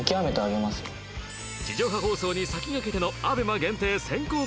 地上波放送に先駆けての ＡＢＥＭＡ 限定先行公開